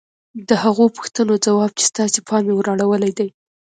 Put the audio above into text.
د هغو پوښتنو ځواب چې ستاسې پام يې ور اړولی دی.